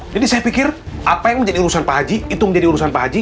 jadi saya pikir apa yang menjadi urusan pak haji itu menjadi urusan pak haji